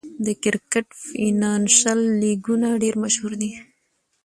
د کرکټ فینانشل لیګونه ډېر مشهور دي.